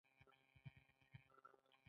آیا د اوبو مدیریت هلته مهم نه دی؟